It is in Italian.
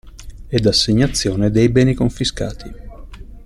Ed assegnazione dei beni confiscati.